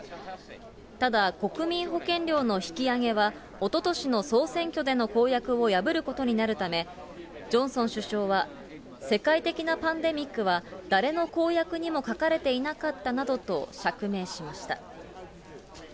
ただ国民保険料の引き上げは、おととしの総選挙での公約を破ることになるため、ジョンソン首相は世界的なパンデミックは誰の公約にも書かれていなかったなどと釈明しました。